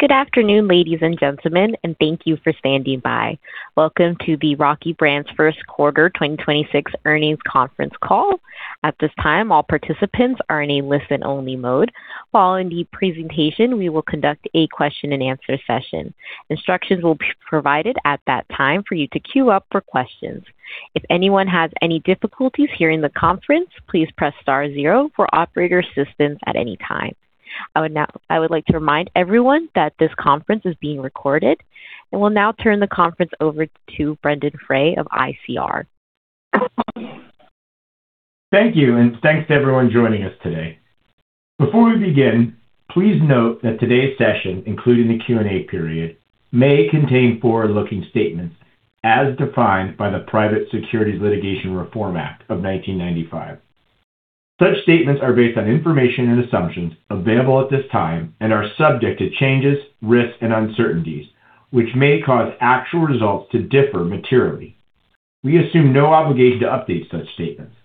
Good afternoon, ladies and gentlemen, and thank you for standing by. Welcome to the Rocky Brands first quarter 2026 earnings conference call. At this time, all participants are in a listen-only mode. Following the presentation, we will conduct a question and answer session. Instructions will be provided at that time for you to queue up for questions. If anyone has any difficulties hearing the conference, please press star 0 for operator assistance at any time. I would like to remind everyone that this conference is being recorded. I will now turn the conference over to Brendon Frey of ICR. Thank you, and thanks to everyone joining us today. Before we begin, please note that today's session, including the Q&A period, may contain forward-looking statements as defined by the Private Securities Litigation Reform Act of 1995. Such statements are based on information and assumptions available at this time and are subject to changes, risks, and uncertainties, which may cause actual results to differ materially. We assume no obligation to update such statements.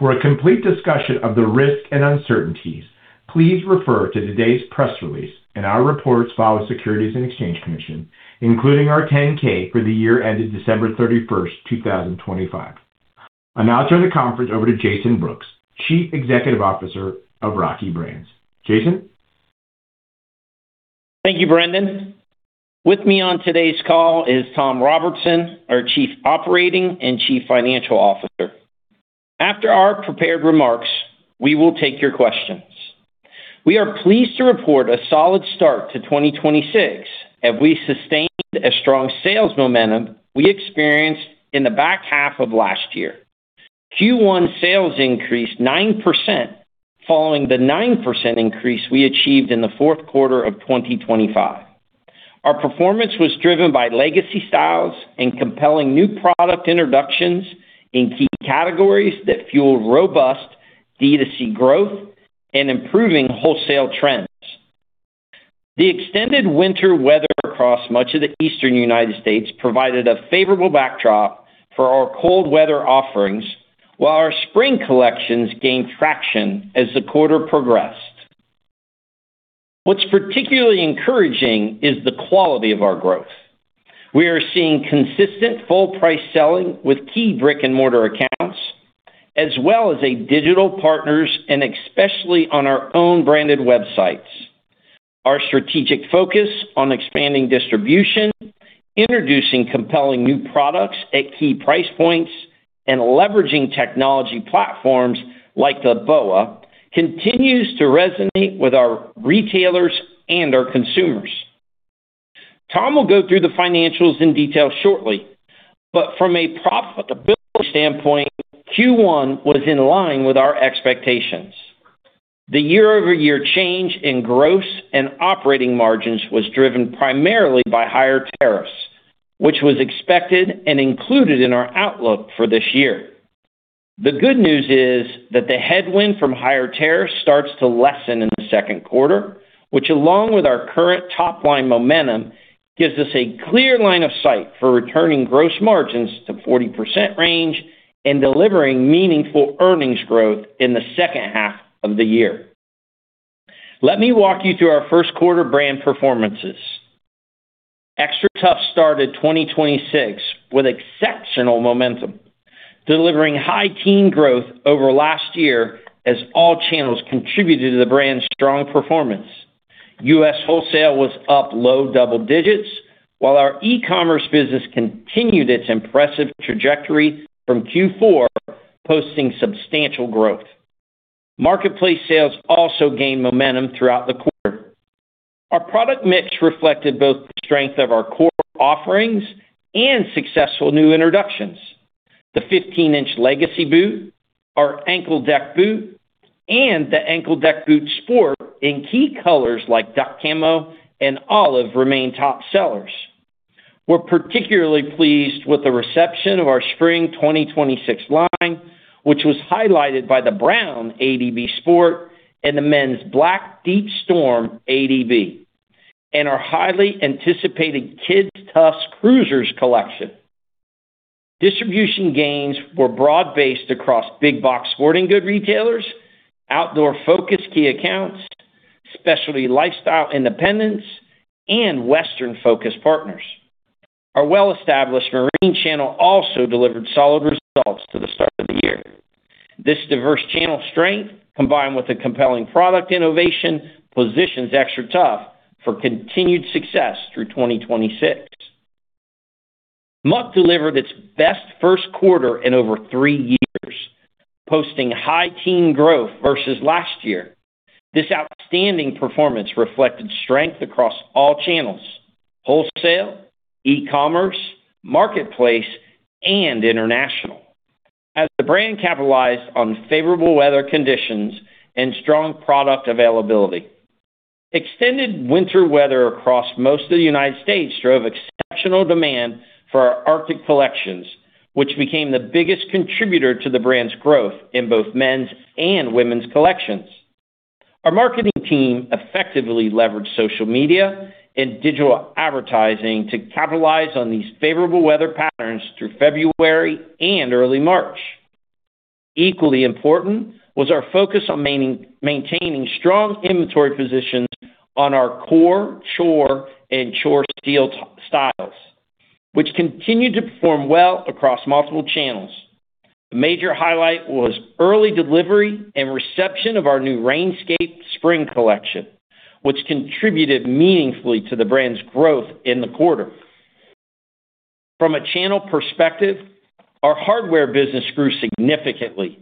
For a complete discussion of the risks and uncertainties, please refer to today's press release and our reports filed with Securities and Exchange Commission, including our 10-K for the year ended December 31st, 2025. I'll now turn the conference over to Jason Brooks, Chief Executive Officer of Rocky Brands. Jason? Thank you, Brendon. With me on today's call is Tom Robertson, our Chief Operating and Chief Financial Officer. After our prepared remarks, we will take your questions. We are pleased to report a solid start to 2026 as we sustained a strong sales momentum we experienced in the back half of last year. Q1 sales increased 9% following the 9% increase we achieved in the fourth quarter of 2025. Our performance was driven by legacy styles and compelling new product introductions in key categories that fueled robust D2C growth and improving wholesale trends. The extended winter weather across much of the Eastern U.S. provided a favorable backdrop for our cold weather offerings, while our spring collections gained traction as the quarter progressed. What's particularly encouraging is the quality of our growth. We are seeing consistent full price selling with key brick-and-mortar accounts, as well as digital partners. Especially on our own branded websites, our strategic focus on expanding distribution, introducing compelling new products at key price points, and leveraging technology platforms like the BOA continues to resonate with our retailers and our consumers. Tom will go through the financials in detail shortly. From a profitability standpoint, Q1 was in line with our expectations. The year-over-year change in gross and operating margins was driven primarily by higher tariffs, which was expected and included in our outlook for this year. The good news is that the headwind from higher tariffs starts to lessen in the second quarter, which along with our current top-line momentum, gives us a clear line of sight for returning gross margins to 40% range and delivering meaningful earnings growth in the second half of the year. Let me walk you through our first quarter brand performances. XTRATUF started 2026 with exceptional momentum, delivering high teen growth over last year as all channels contributed to the brand's strong performance. U.S. wholesale was up low double digits, while our e-commerce business continued its impressive trajectory from Q4, posting substantial growth. Marketplace sales also gained momentum throughout the quarter. Our product mix reflected both the strength of our core offerings and successful new introductions. The 15-inch legacy boot, our Ankle Deck Boot, and the Ankle Deck Boot Sport in key colors like duck camo and olive remain top sellers. We're particularly pleased with the reception of our spring 2026 line, which was highlighted by the brown ADB Sport and the men's black Deep Storm ADB, and our highly anticipated Kids' Tuff Cruisers collection. Distribution gains were broad-based across big box sporting good retailers, outdoor-focused key accounts, specialty lifestyle independents, and Western-focused partners. Our well-established marine channel also delivered solid results to the start of the year. This diverse channel strength, combined with a compelling product innovation, positions XTRATUF for continued success through 2026. Muck delivered its best first quarter in over three years, posting high teen growth versus last year. This outstanding performance reflected strength across all channels: wholesale, e-commerce, marketplace, and international as the brand capitalized on favorable weather conditions and strong product availability. Extended winter weather across most of the U.S. drove exceptional demand for our Arctic collections, which became the biggest contributor to the brand's growth in both men's and women's collections. Our marketing team effectively leveraged social media and digital advertising to capitalize on these favorable weather patterns through February and early March. Equally important was our focus on maintaining strong inventory positions on our core chore and chore steel styles, which continued to perform well across multiple channels. A major highlight was early delivery and reception of our new Rainscape spring collection, which contributed meaningfully to the brand's growth in the quarter. From a channel perspective, our hardware business grew significantly,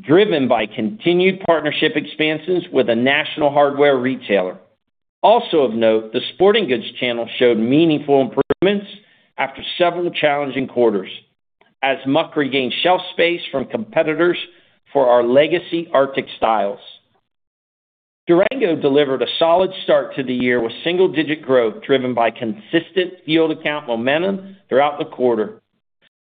driven by continued partnership expansions with a national hardware retailer. Also of note, the sporting goods channel showed meaningful improvements after several challenging quarters as Muck regained shelf space from competitors for our legacy Arctic styles. Durango delivered a solid start to the year with single-digit growth, driven by consistent field account momentum throughout the quarter.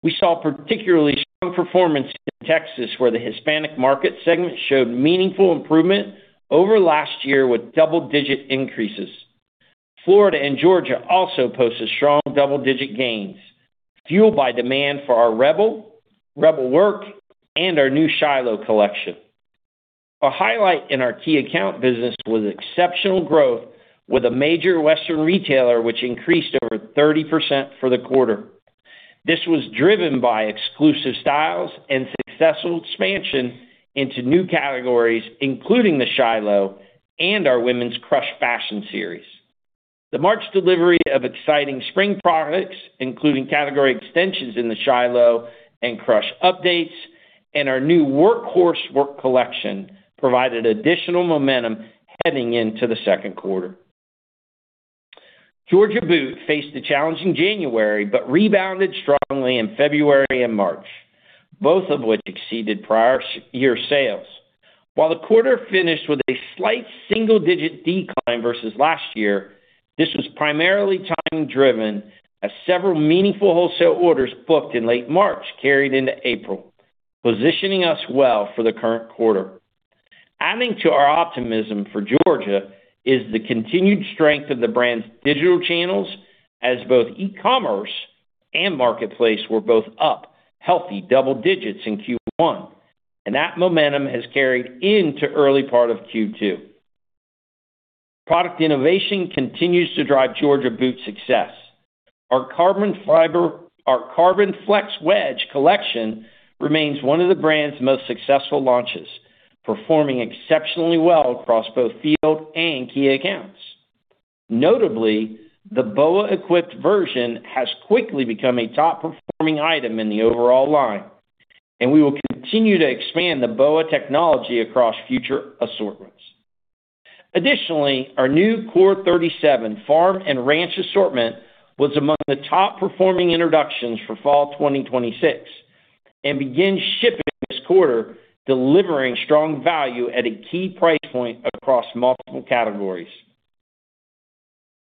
We saw particularly strong performance in Texas, where the Hispanic market segment showed meaningful improvement over last year with double-digit increases. Florida and Georgia also posted strong double-digit gains, fueled by demand for our Rebel Work, and our new Shyloh collection. A highlight in our key account business was exceptional growth with a major Western retailer, which increased over 30% for the quarter. This was driven by exclusive styles and successful expansion into new categories, including the Shyloh and our women's Crush fashion series. The March delivery of exciting spring products, including category extensions in the Shyloh and Crush updates and our new Workhorse work collection, provided additional momentum heading into the second quarter. Georgia Boot faced a challenging January but rebounded strongly in February and March, both of which exceeded prior year sales. While the quarter finished with a slight single-digit decline versus last year, this was primarily timing driven as several meaningful wholesale orders booked in late March carried into April, positioning us well for the current quarter. Adding to our optimism for Georgia is the continued strength of the brand's digital channels, as both e-commerce and marketplace were both up healthy double digits in Q1, and that momentum has carried into early part of Q2. Product innovation continues to drive Georgia Boot's success. Our Carbon Flex Wedge collection remains one of the brand's most successful launches, performing exceptionally well across both field and key accounts. Notably, the BOA-equipped version has quickly become a top-performing item in the overall line, and we will continue to expand the Boa technology across future assortments. Additionally, our new Core 37 Farm and Ranch assortment was among the top-performing introductions for fall 2026 and began shipping this quarter, delivering strong value at a key price point across multiple categories.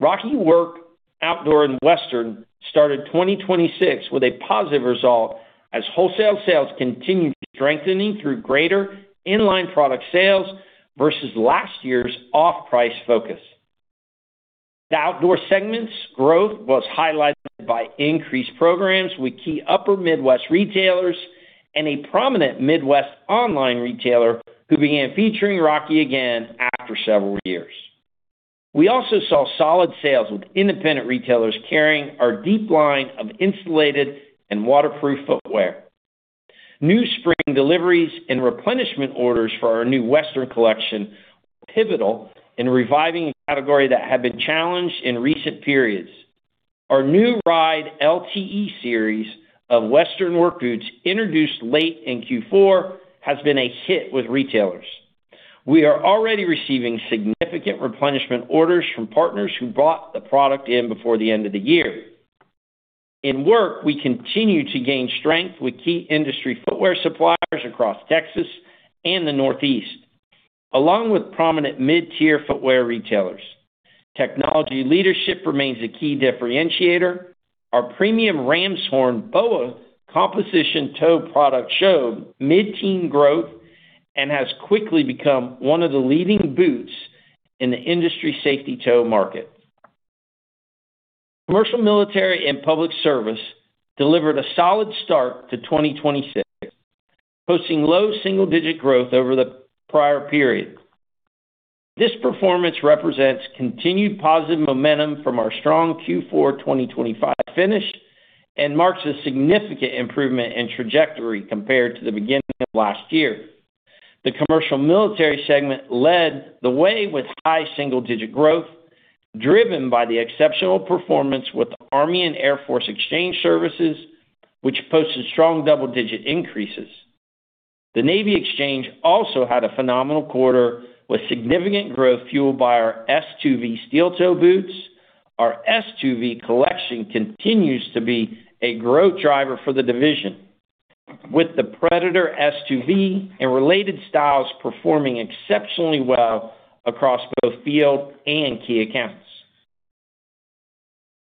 Rocky Work, Outdoor, and Western started 2026 with a positive result as wholesale sales continued strengthening through greater in-line product sales versus last year's off-price focus. The outdoor segment's growth was highlighted by increased programs with key upper Midwest retailers and a prominent Midwest online retailer who began featuring Rocky again after several years. We also saw solid sales with independent retailers carrying our deep line of insulated and waterproof footwear. New spring deliveries and replenishment orders for our new Western collection were pivotal in reviving a category that had been challenged in recent periods. Our new Ride LTE series of Western work boots introduced late in Q4 has been a hit with retailers. We are already receiving significant replenishment orders from partners who brought the product in before the end of the year. In Work, we continue to gain strength with key industry footwear suppliers across Texas and the Northeast, along with prominent mid-tier footwear retailers. Technology leadership remains a key differentiator. Our premium Ram's Horn BOA composite toe product showed mid-teen growth and has quickly become one of the leading boots in the industry safety toe market. Commercial, Military, and Public Service delivered a solid start to 2026, posting low single-digit growth over the prior period. This performance represents continued positive momentum from our strong Q4 2025 finish and marks a significant improvement in trajectory compared to the beginning of last year. The Commercial Military segment led the way with high single-digit growth, driven by the exceptional performance with Army & Air Force Exchange Service, which posted strong double-digit increases. The Navy Exchange also had a phenomenal quarter with significant growth fueled by our S2V steel toe boots. Our S2V collection continues to be a growth driver for the division, with the S2V Predator and related styles performing exceptionally well across both field and key accounts.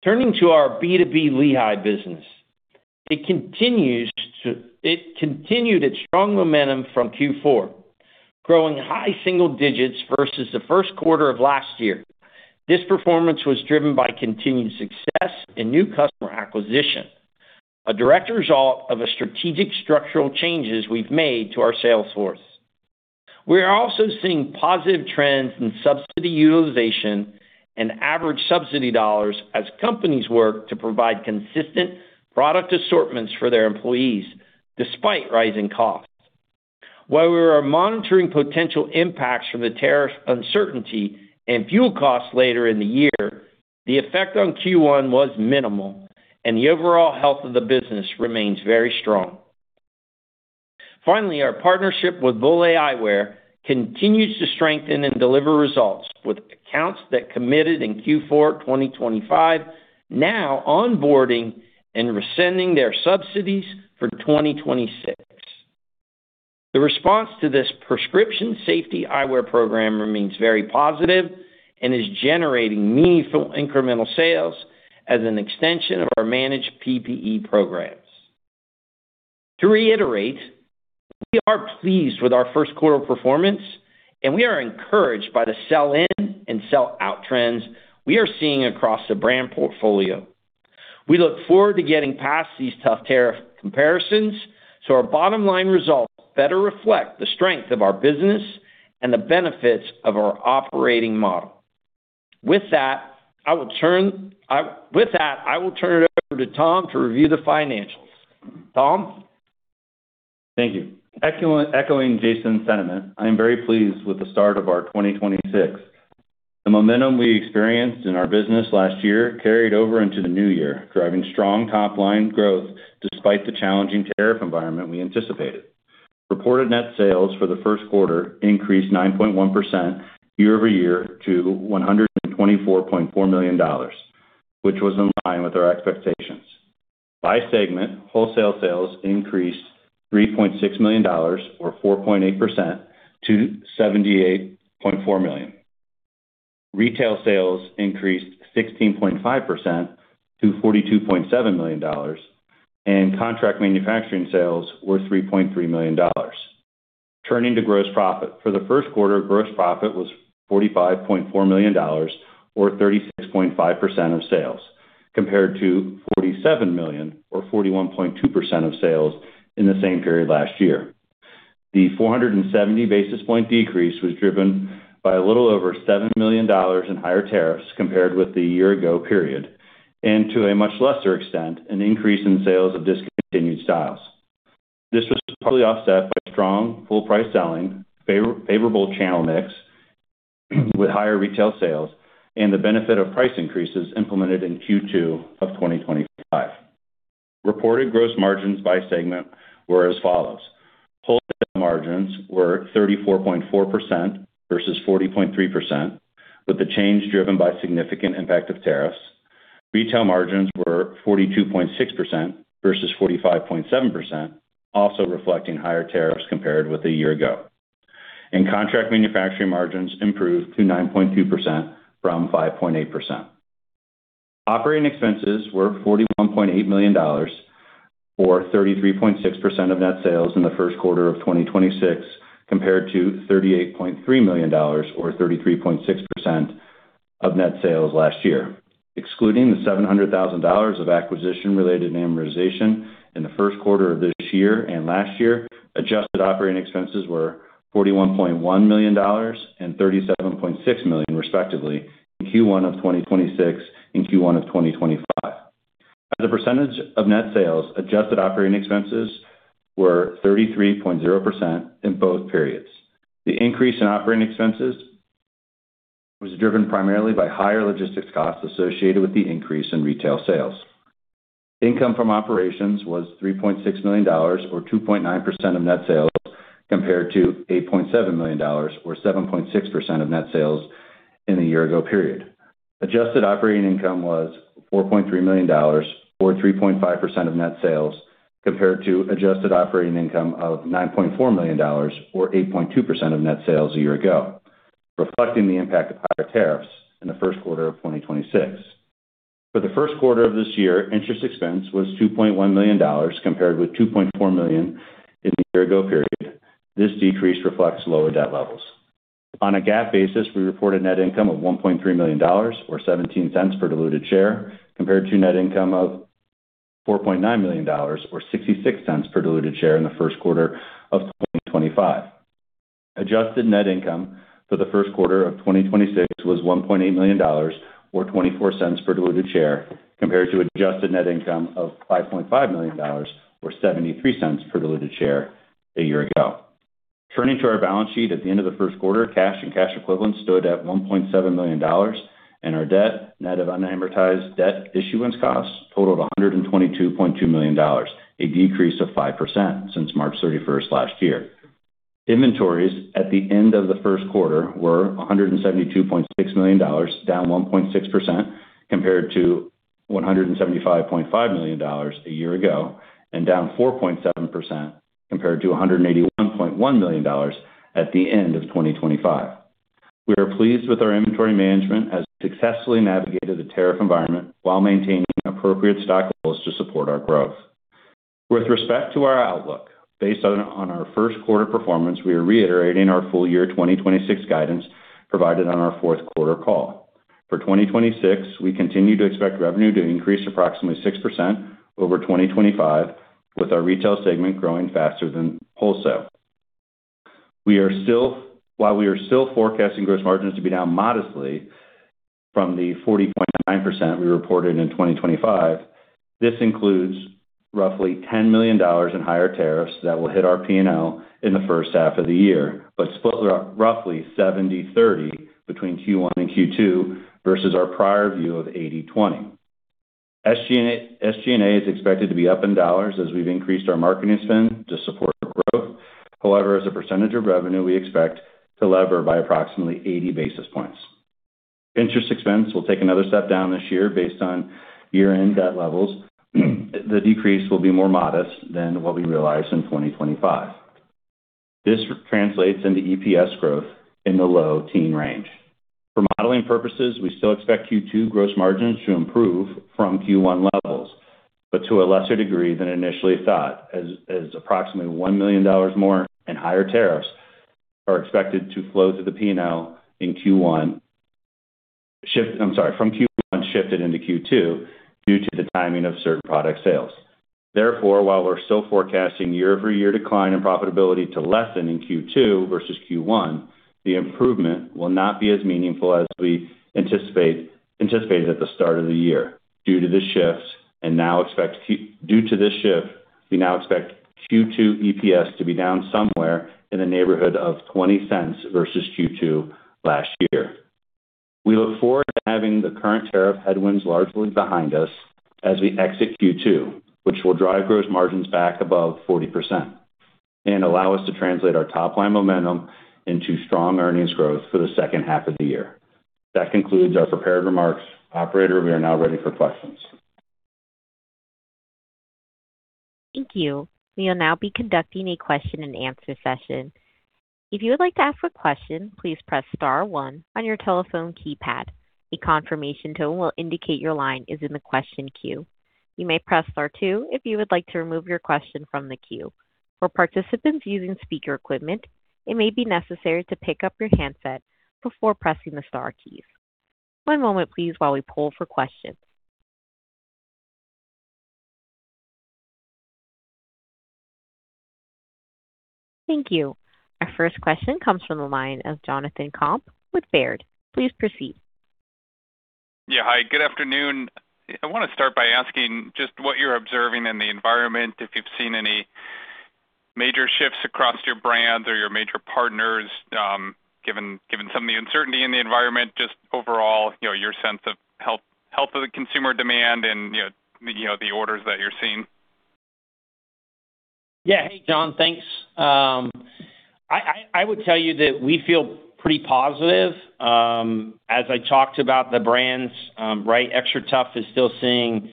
Turning to our B2B Lehigh business, it continued its strong momentum from Q4. Growing high single digits versus the first quarter of last year. This performance was driven by continued success in new customer acquisition, a direct result of a strategic structural changes we've made to our sales force. We are also seeing positive trends in subsidy utilization and average subsidy dollars as companies work to provide consistent product assortments for their employees despite rising costs. While we are monitoring potential impacts from the tariff uncertainty and fuel costs later in the year, the effect on Q1 was minimal and the overall health of the business remains very strong. Finally, our partnership with Bollé Eyewear continues to strengthen and deliver results, with accounts that committed in Q4 2025 now onboarding and rescinding their subsidies for 2026. The response to this prescription safety eyewear program remains very positive and is generating meaningful incremental sales as an extension of our managed PPE programs. To reiterate, we are pleased with our first quarter performance, and we are encouraged by the sell-in and sell-out trends we are seeing across the brand portfolio. We look forward to getting past these tough tariff comparisons so our bottom line results better reflect the strength of our business and the benefits of our operating model. With that, I will turn it over to Tom to review the financials. Tom? Thank you. Echoing Jason's sentiment, I am very pleased with the start of our 2026. The momentum we experienced in our business last year carried over into the new year, driving strong top-line growth despite the challenging tariff environment we anticipated. Reported net sales for the first quarter increased 9.1% year-over-year to $124.4 million, which was in line with our expectations. By segment, wholesale sales increased $3.6 million or 4.8% to $78.4 million. Retail sales increased 16.5% to $42.7 million, and contract manufacturing sales were $3.3 million. Turning to gross profit. For the first quarter, gross profit was $45.4 million or 36.5% of sales, compared to $47 million or 41.2% of sales in the same period last year. The 470 basis point decrease was driven by a little over $7 million in higher tariffs compared with the year-ago period, and to a much lesser extent, an increase in sales of discontinued styles. This was partly offset by strong full-price selling, favorable channel mix with higher retail sales, and the benefit of price increases implemented in Q2 of 2025. Reported gross margins by segment were as follows: Wholesale margins were 34.4% versus 40.3%, with the change driven by significant impact of tariffs. Retail margins were 42.6% versus 45.7%, also reflecting higher tariffs compared with a year ago. Contract manufacturing margins improved to 9.2% from 5.8%. Operating expenses were $41.8 million or 33.6% of net sales in the first quarter of 2026, compared to $38.3 million or 33.6% of net sales last year. Excluding the $700,000 of acquisition-related amortization in the first quarter of this year and last year, adjusted operating expenses were $41.1 million and $37.6 million, respectively, in Q1 of 2026 and Q1 of 2025. As a percentage of net sales, adjusted operating expenses were 33.0% in both periods. The increase in operating expenses was driven primarily by higher logistics costs associated with the increase in retail sales. Income from operations was $3.6 million or 2.9% of net sales, compared to $8.7 million or 7.6% of net sales in the year ago period. Adjusted operating income was $4.3 million or 3.5% of net sales, compared to adjusted operating income of $9.4 million or 8.2% of net sales a year ago, reflecting the impact of higher tariffs in the first quarter of 2026. For the first quarter of this year, interest expense was $2.1 million, compared with $2.4 million in the year ago period. This decrease reflects lower debt levels. On a GAAP basis, we reported net income of $1.3 million or $0.17 per diluted share, compared to net income of $4.9 million or $0.66 per diluted share in the first quarter of 2025. Adjusted net income for the first quarter of 2026 was $1.8 million or $0.24 per diluted share, compared to adjusted net income of $5.5 million or $0.73 per diluted share a year ago. Turning to our balance sheet, at the end of the first quarter, cash and cash equivalents stood at $1.7 million, and our debt, net of unamortized debt issuance costs, totaled $122.2 million, a decrease of 5% since March 31st last year. Inventories at the end of the first quarter were $172.6 million, down 1.6% compared to $175.5 million a year ago, and down 4.7% compared to $181.1 million at the end of 2025. We are pleased with our inventory management as we successfully navigated the tariff environment while maintaining appropriate stock levels to support our growth. With respect to our outlook, based on our first quarter performance, we are reiterating our full year 2026 guidance provided on our fourth quarter call. For 2026, we continue to expect revenue to increase approximately 6% over 2025, with our retail segment growing faster than wholesale. While we are still forecasting gross margins to be down modestly from the 40.9% we reported in 2025, this includes roughly $10 million in higher tariffs that will hit our P&L in the first half of the year, split roughly 70/30 between Q1 and Q2 versus our prior view of 80/20. SG&A is expected to be up in dollars as we've increased our marketing spend to support growth. As a percentage of revenue, we expect to lever by approximately 80 basis points. Interest expense will take another step down this year based on year-end debt levels. The decrease will be more modest than what we realized in 2025. This translates into EPS growth in the low teen range. For modeling purposes, we still expect Q2 gross margins to improve from Q1 levels, but to a lesser degree than initially thought, as approximately $1 million more in higher tariffs are expected to flow to the P&L in Q1, shifted into Q2 due to the timing of certain product sales. Therefore, while we're still forecasting year-over-year decline in profitability to lessen in Q2 versus Q1, the improvement will not be as meaningful as we anticipated at the start of the year due to the shifts. Due to this shift, we now expect Q2 EPS to be down somewhere in the neighborhood of $0.20 versus Q2 last year. We look forward to having the current tariff headwinds largely behind us as we exit Q2, which will drive gross margins back above 40% and allow us to translate our top-line momentum into strong earnings growth for the second half of the year. That concludes our prepared remarks. Operator, we are now ready for questions. Thank you. Our first question comes from the line of Jonathan Komp with Baird. Please proceed. Yeah, hi, good afternoon. I wanna start by asking just what you're observing in the environment, if you've seen any major shifts across your brands or your major partners, given some of the uncertainty in the environment, just overall, you know, your sense of health of the consumer demand and, you know, the orders that you're seeing. Yeah. John. Thanks. I would tell you that we feel pretty positive. As I talked about the brands, right, XTRATUF is still seeing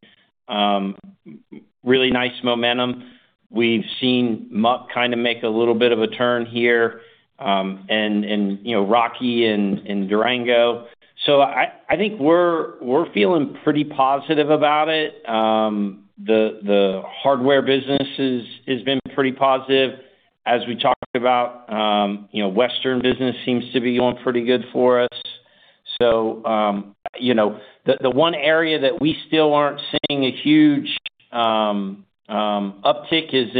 really nice momentum. We've seen Muck kind of make a little bit of a turn here, and, you know, Rocky and Durango. I think we're feeling pretty positive about it. The hardware business is been pretty positive. As we talked about, you know, Western business seems to be going pretty good for us. You know, the one area that we still aren't seeing a huge uptick is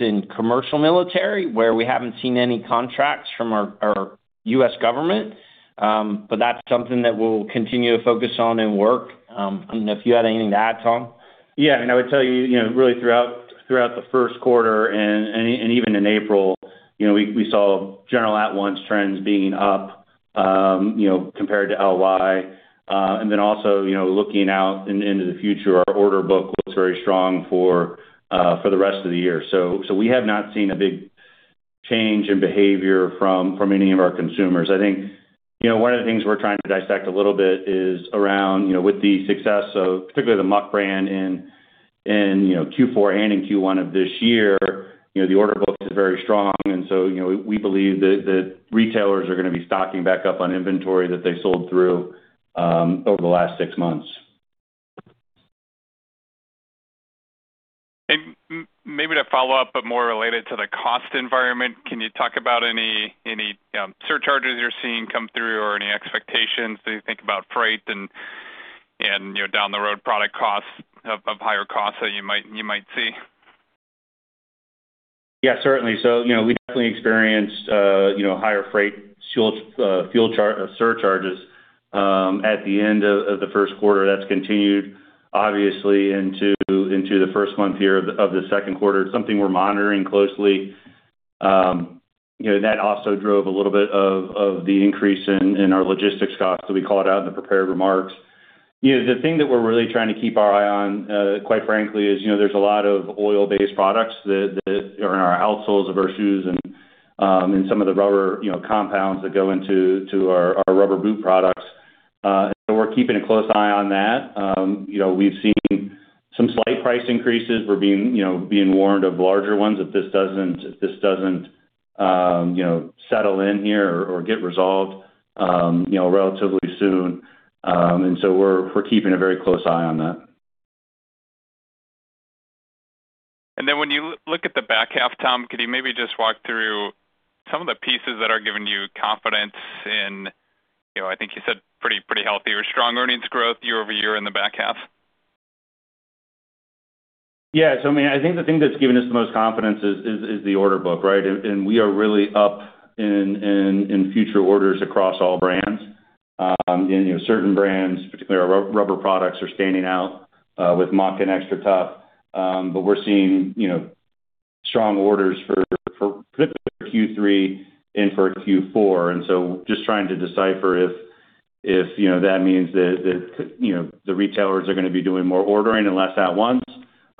in commercial military, where we haven't seen any contracts from our U.S. government. That's something that we'll continue to focus on and work. I don't know if you had anything to add, Tom. Yeah. I would tell you know, really throughout the first quarter and even in April, you know, we saw general at-once trends being up, you know, compared to LY. Also, you know, looking out into the future, our order book looks very strong for the rest of the year. So we have not seen a big change in behavior from any of our consumers. I think, you know, one of the things we're trying to dissect a little bit is around, you know, with the success of particularly the Muck brand in, you know, Q4 and in Q1 of this year, you know, the order book is very strong. You know, we believe that retailers are gonna be stocking back up on inventory that they sold through over the last six months. Maybe to follow up, but more related to the cost environment, can you talk about any surcharges you're seeing come through or any expectations as you think about freight and, you know, down the road product costs of higher costs that you might see? Yeah, certainly. You know, we definitely experienced, you know, higher freight fuel, surcharges at the end of the first quarter. That's continued obviously into the first month here of the second quarter. It's something we're monitoring closely. You know, that also drove a little bit of the increase in our logistics costs that we called out in the prepared remarks. You know, the thing that we're really trying to keep our eye on, quite frankly, is, you know, there's a lot of oil-based products that are in our outsoles of our shoes and in some of the rubber, you know, compounds that go into our rubber boot products. We're keeping a close eye on that. You know, we've seen some slight price increases. We're being, you know, being warned of larger ones if this doesn't, you know, settle in here or get resolved, you know, relatively soon. We're keeping a very close eye on that. Then when you look at the back half, Tom, could you maybe just walk through some of the pieces that are giving you confidence in, you know, I think you said pretty healthy or strong earnings growth year-over-year in the back half? Yeah. I mean, I think the thing that's given us the most confidence is the order book, right? We are really up in future orders across all brands. You know, certain brands, particularly our rubber products, are standing out with Muck and XTRATUF. We're seeing, you know, strong orders for particularly Q3 and for Q4. Just trying to decipher if, you know, that means that, you know, the retailers are gonna be doing more ordering and less at once.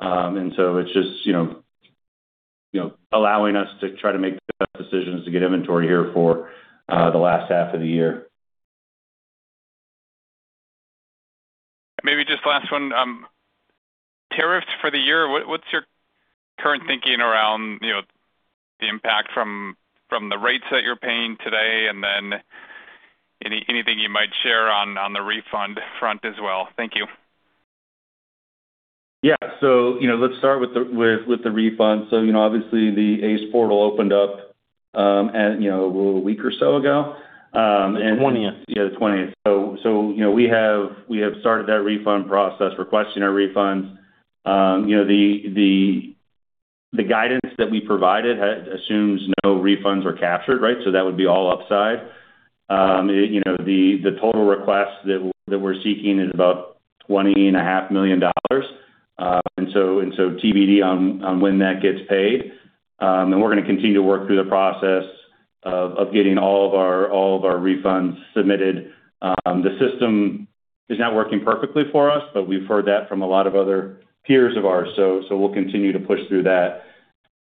It's just, you know, allowing us to try to make the best decisions to get inventory here for the last half of the year. Maybe just last one. Tariffs for the year, what's your current thinking around, you know, the impact from the rates that you're paying today? Anything you might share on the refund front as well. Thank you. Yeah. You know, let's start with the refunds. You know, obviously the ACE Portal opened up, at, you know, a week or so ago. The twentieth. Yeah, the twentieth. You know, we have started that refund process, requesting our refunds. You know, the guidance that we provided assumes no refunds were captured, right? That would be all upside. You know, the total request that we're seeking is about $20.5 million. TBD on when that gets paid. We're gonna continue to work through the process of getting all of our refunds submitted. The system is not working perfectly for us, but we've heard that from a lot of other peers of ours, we'll continue to push through that.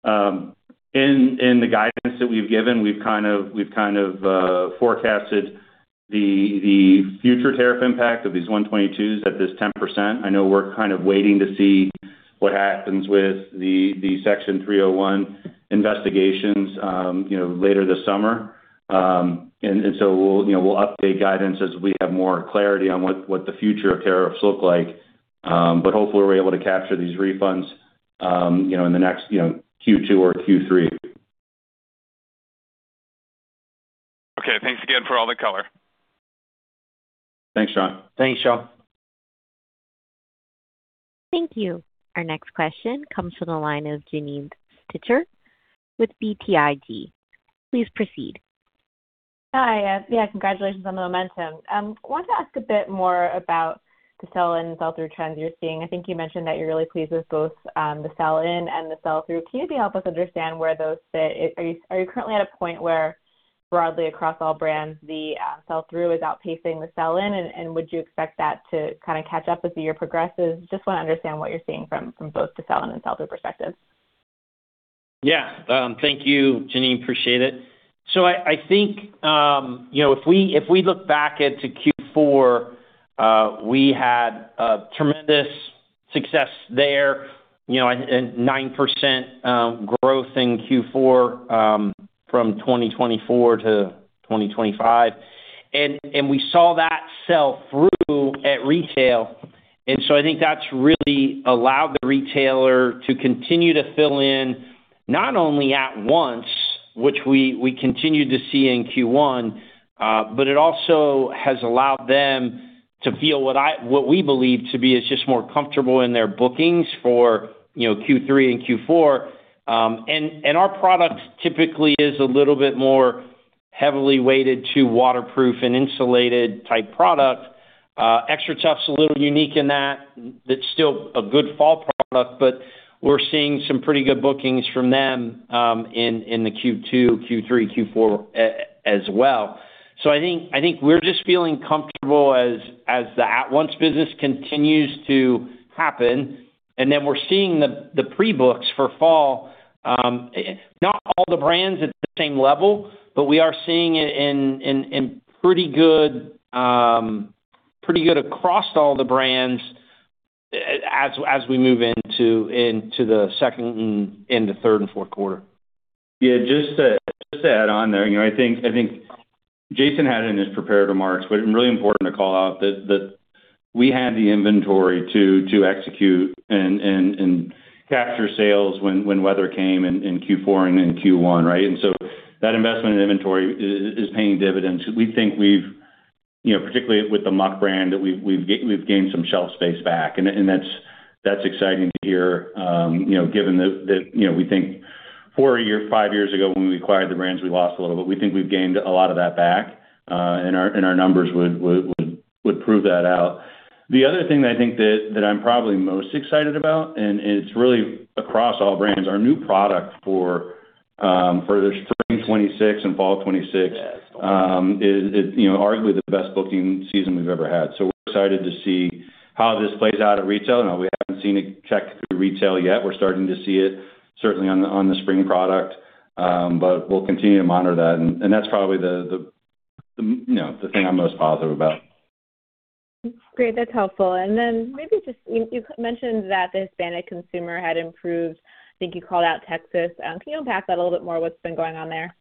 In the guidance that we've given, we've kind of forecasted the future tariff impact of these Section 122s at this 10%. I know we're kind of waiting to see what happens with the Section 301 investigations, you know, later this summer. We'll, you know, we'll update guidance as we have more clarity on what the future of tariffs look like. Hopefully we're able to capture these refunds, you know, in the next, you know, Q2 or Q3. Okay. Thanks again for all the color. Thanks, Jonathan. Thanks, Jonathan. Thank you. Our next question comes from the line of Janine Stichter with BTIG. Please proceed. Hi. Congratulations on the momentum. Wanted to ask a bit more about the sell-in sell-through trends you're seeing. I think you mentioned that you're really pleased with both the sell-in and the sell-through. Can you help us understand where those fit? Are you currently at a point where broadly across all brands, the sell-through is outpacing the sell-in? Would you expect that to kinda catch up as the year progresses? Just wanna understand what you're seeing from both the sell-in and sell-through perspective. Yeah. Thank you, Janine. Appreciate it. I think, you know, if we, if we look back into Q4, we had a tremendous success there. You know, a 9% growth in Q4 from 2024 to 2025. We saw that sell through at retail. I think that's really allowed the retailer to continue to fill in not only at once, which we continue to see in Q1, but it also has allowed them to feel what we believe to be is just more comfortable in their bookings for, you know, Q3 and Q4. Our product typically is a little bit more heavily weighted to waterproof and insulated type product. XTRATUF's a little unique in that it's still a good fall product, but we're seeing some pretty good bookings from them in the Q2, Q3, Q4 as well. I think we're just feeling comfortable as the at-once business continues to happen. Then we're seeing the pre-books for fall. Not all the brands at the same level, but we are seeing it in pretty good pretty good across all the brands as we move into the second and into third and fourth quarter. Just to add on there, you know, I think Jason had it in his prepared remarks, but really important to call out that we had the inventory to execute and capture sales when weather came in Q4 and in Q1, right? That investment in inventory is paying dividends. We think we've, you know, particularly with the Muck brand, that we've gained some shelf space back. That's exciting to hear, you know, given that, you know, we think four years, five years ago when we acquired the brands, we lost a little, but we think we've gained a lot of that back. Our numbers would prove that out. The other thing that I think that I'm probably most excited about, and it's really across all brands, our new product for the spring 2026 and fall 2026, is, you know, arguably the best booking season we've ever had. We're excited to see how this plays out at retail. I know we haven't seen it check through retail yet. We're starting to see it certainly on the spring product. But we'll continue to monitor that, and that's probably the, you know, the thing I'm most positive about. Great. That's helpful. Maybe just you mentioned that the Hispanic consumer had improved. I think you called out Texas. Can you unpack that a little bit more what's been going on there?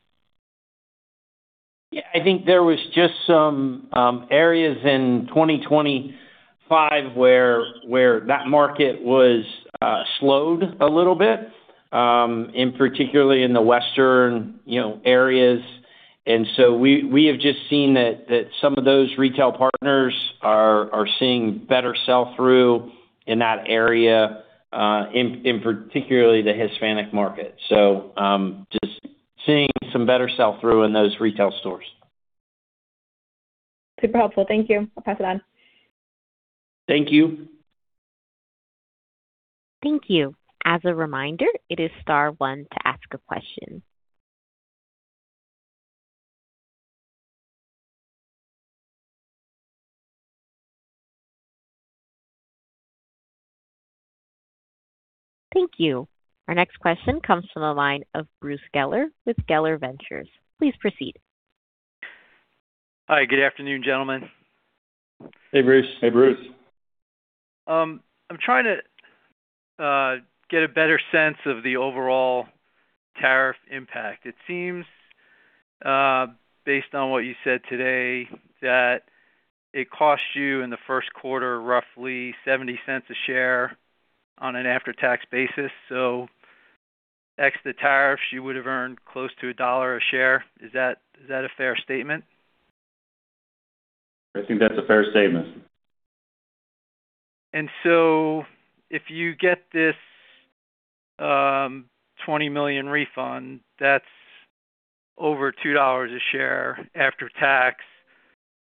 Yeah. I think there was just some areas in 2025 where that market was slowed a little bit, and particularly in the Western, you know, areas. We have just seen that some of those retail partners are seeing better sell-through in that area, in particularly the Hispanic market. Just seeing some better sell-through in those retail stores. Super helpful. Thank you. I'll pass it on. Thank you. Thank you. As a reminder, it is star one to ask a question. Thank you. Our next question comes from the line of Bruce Geller with Geller Ventures. Please proceed. Hi, good afternoon, gentlemen. Hey, Bruce. Hey, Bruce. I'm trying to get a better sense of the overall tariff impact. It seems based on what you said today, that it cost you in the first quarter roughly $0.70 a share on an after-tax basis. Ex the tariffs, you would have earned close to $1 a share. Is that a fair statement? I think that's a fair statement. If you get this $20 million refund, that's over $2 a share after tax.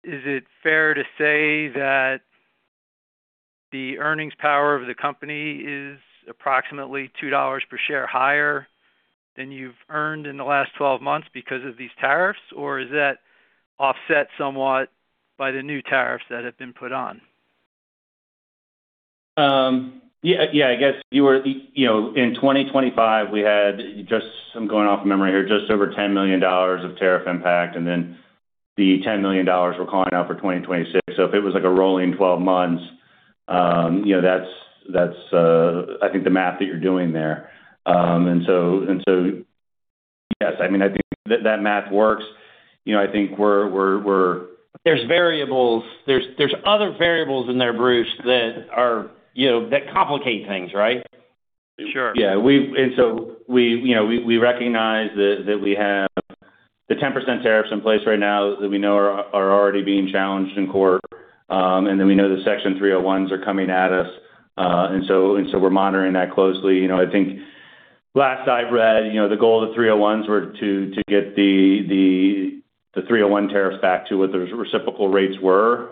Is it fair to say that the earnings power of the company is approximately $2 per share higher than you've earned in the last 12 months because of these tariffs, or is that offset somewhat by the new tariffs that have been put on? Yeah, yeah, I guess you were. You know, in 2025, we had just, I'm going off memory here, just over $10 million of tariff impact, and then the $10 million we're calling out for 2026. If it was like a rolling 12 months, you know, that's I think the math that you're doing there. Yes, I mean, I think that math works. You know, I think we're There's variables. There's other variables in there, Bruce, that are, you know, that complicate things, right? Sure. Yeah. We, you know, we recognize that we have the 10% tariffs in place right now that we know are already being challenged in court. We know the Section 301s are coming at us. We're monitoring that closely. You know, I think last I read, you know, the goal of the 301s were to get the 301 tariff back to what those reciprocal rates were,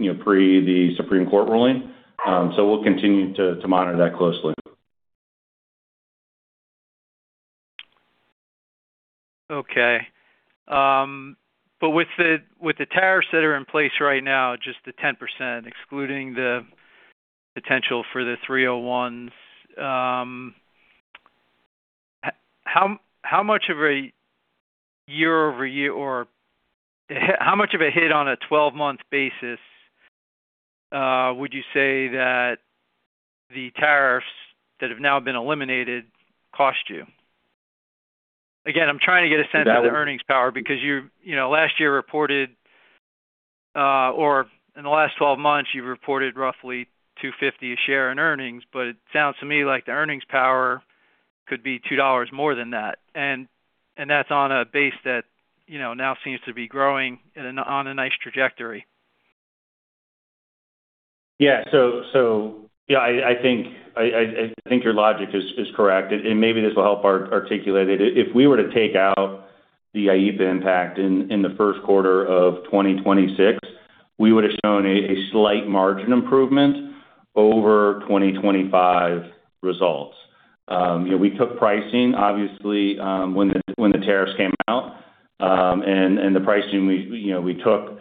you know, pre the Supreme Court ruling. We'll continue to monitor that closely. Okay. With the tariffs that are in place right now, just the 10%, excluding the potential for the 301s, how much of a year-over-year or how much of a hit on a 12-month basis would you say that the tariffs that have now been eliminated cost you? Again, I'm trying to get a sense of the earnings power because you know, last year reported, or in the last 12 months, you've reported roughly $2.50 a share in earnings. It sounds to me like the earnings power could be $2 more than that. That's on a base that, you know, now seems to be growing on a nice trajectory. I think your logic is correct, and maybe this will help articulate it. If we were to take out the IEEPA impact in the first quarter of 2026, we would have shown a slight margin improvement over 2025 results. You know, we took pricing obviously, when the tariffs came out. The pricing we, you know, we took,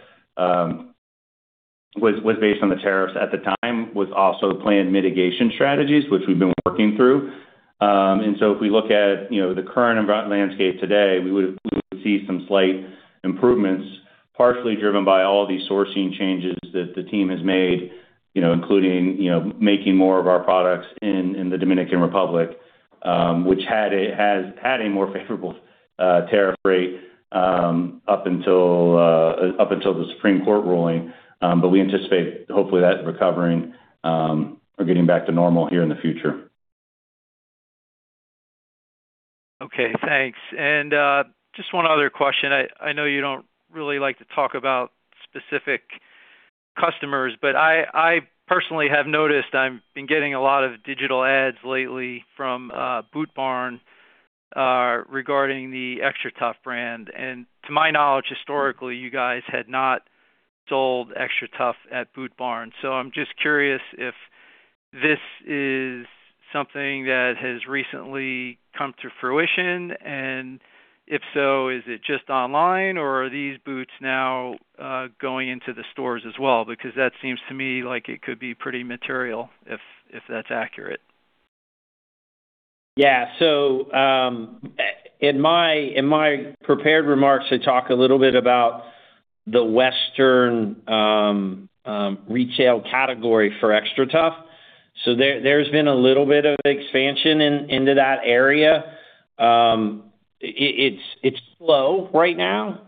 was based on the tariffs at the time, was also the planned mitigation strategies, which we've been working through. If we look at, you know, the current landscape today, we would see some slight improvements, partially driven by all these sourcing changes that the team has made, you know, including, you know, making more of our products in the Dominican Republic, which had a more favorable tariff rate, up until the Supreme Court ruling. We anticipate hopefully that recovering, or getting back to normal here in the future. Okay, thanks. Just one other question. I know you don't really like to talk about specific customers, but I personally have noticed I've been getting a lot of digital ads lately from Boot Barn regarding the XTRATUF brand. To my knowledge, historically, you guys had not sold XTRATUF at Boot Barn. I'm just curious if this is something that has recently come to fruition. If so, is it just online or are these boots now going into the stores as well? Because that seems to me like it could be pretty material if that's accurate. In my prepared remarks, I talk a little bit about the Western retail category for XTRATUF. There's been a little bit of expansion into that area. It's slow right now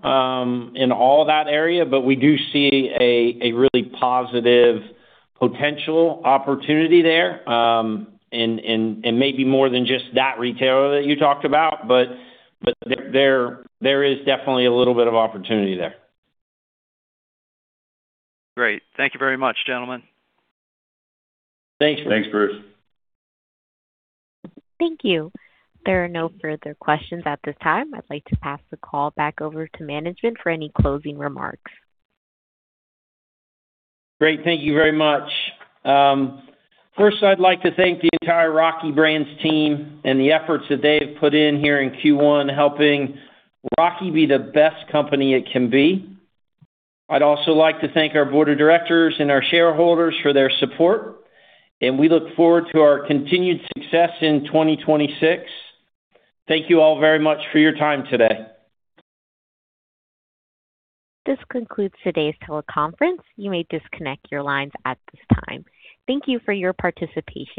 in all that area, but we do see a really positive potential opportunity there. Maybe more than just that retailer that you talked about, but there is definitely a little bit of opportunity there. Great. Thank you very much, gentlemen. Thanks. Thanks, Bruce. Thank you. There are no further questions at this time. I'd like to pass the call back over to management for any closing remarks. Great. Thank you very much. First, I'd like to thank the entire Rocky Brands team and the efforts that they have put in here in Q1, helping Rocky be the best company it can be. I'd also like to thank our board of directors and our shareholders for their support, and we look forward to our continued success in 2026. Thank you all very much for your time today. This concludes today's teleconference. You may disconnect your lines at this time. Thank you for your participation.